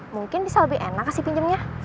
mungkin bisa lebih enak kasih pinjamnya